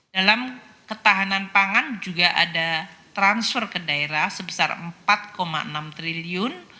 dalam ketahanan pangan juga ada transfer ke daerah sebesar empat enam triliun